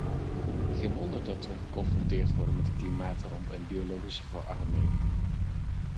Geen wonder dat we geconfronteerd worden met een klimaatramp en biologische verarming.